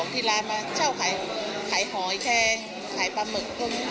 ที่ร้านมาเช่าขายหอยแคงขายปลาหมึก